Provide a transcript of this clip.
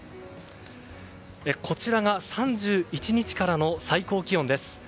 こちらが３１日からの最高気温です。